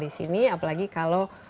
di sini apalagi kalau